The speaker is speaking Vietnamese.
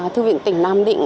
thư viện tỉnh nam định